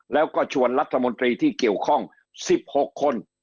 แล้วก็ชวนรัฐมนตรีที่เกี่ยวข้อง๑๖คน